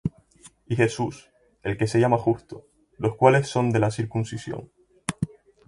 Y Jesús, el que se llama Justo; los cuales son de la circuncisión: